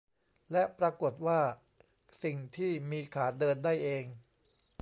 และปรากฏว่า สิ่งที่มีขาเดินได้เอง